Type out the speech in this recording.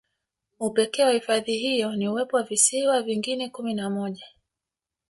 Upekee wa hifadhi hiyo ni uwepo wa visiwa vingine kumi na moja